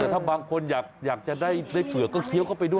แต่ถ้าบางคนอยากจะได้เปลือกก็เคี้ยวเข้าไปด้วย